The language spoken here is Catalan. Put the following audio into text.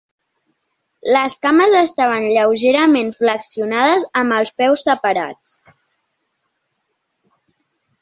Les cames estaven lleugerament flexionades amb els peus separats.